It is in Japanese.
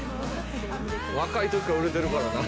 若い時から売れてるからな。